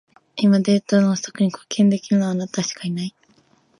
今、データの不足に貢献できるのは、あなたしかいない。